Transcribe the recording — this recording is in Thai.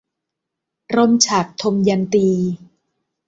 ร่มฉัตร - ทมยันตี